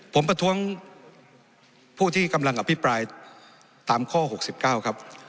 ผมประท้วงผู้ที่กำลังอภิปรายตามข้อ๖๙ครับ